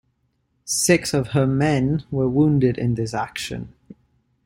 Six of her men were wounded in this action.